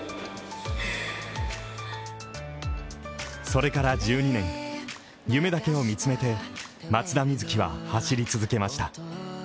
それから１２年、夢だけを見つめて松田瑞生は走り続けました。